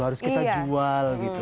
harus kita jual gitu